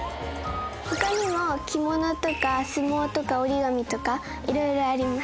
他にも着物とか相撲とか折り紙とかいろいろあります。